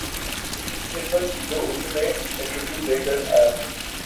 اس کی نسبت جو اردو میں انٹرویو دے کر آ یا ہو